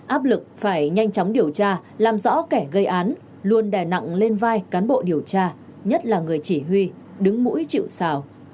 áp lực phải nhanh chóng điều tra làm rõ kẻ gây án luôn đè nặng lên vai cán bộ điều tra nhất là người chỉ huy đứng mũi chịu xào